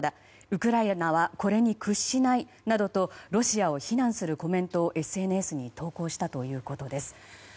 ウクライナはこれに屈しないなどとロシアを避難するコメントをＳＮＳに投稿したということです。